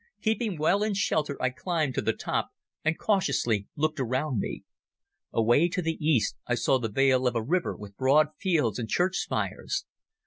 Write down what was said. Keeping well in shelter I climbed to the top and cautiously looked around me. Away to the east I saw the vale of a river with broad fields and church spires.